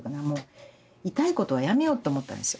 痛いことはやめようって思ったんですよ。